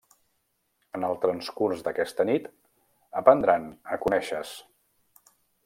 En el transcurs d'aquesta nit, aprendran a conèixer-se.